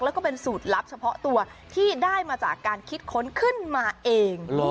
แล้วก็เป็นสูตรลับเฉพาะตัวที่ได้มาจากการคิดค้นขึ้นมาเอง